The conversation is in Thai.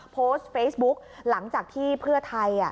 โพสต์เฟซบุ๊กหลังจากที่เพื่อไทย